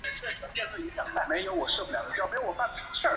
其后罗马帝国占领了凯尔特王国诺里库姆并设立为行省。